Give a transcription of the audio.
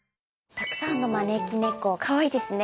たくさんの招き猫かわいいですね。